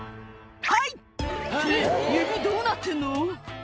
「はい！」って指どうなってんの？